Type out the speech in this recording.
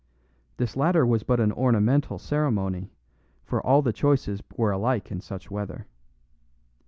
This latter was but an ornamental ceremony, for all the choices were alike in such weather.